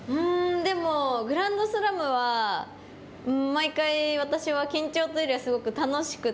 でもグランドスラムは毎回私は緊張というよりはすごく楽しくて。